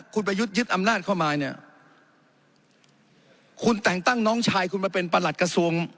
คุณประยุทธ์ยึดอำนาจเข้ามาเนี่ยคุณแต่งตั้งน้องชายคุณมาเป็นประหลัดกระทรวง